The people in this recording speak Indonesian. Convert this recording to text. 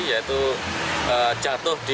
yaitu jatuh di